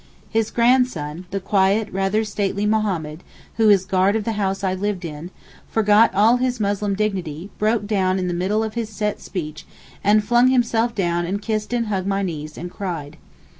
His grandson, the quiet, rather stately, Mohammed who is guard of the house I lived in, forgot all his Muslim dignity, broke down in the middle of his set speech and flung himself down and kissed and hugged my knees and cried.